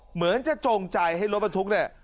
เหมือนจะจงใจให้รถบรรทุกเนี่ย